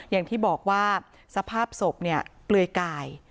อย่างที่บอกว่าสภาพศพเนี่ยเปลือยกาย